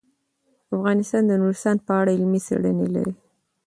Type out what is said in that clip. افغانستان د نورستان په اړه علمي څېړنې لري.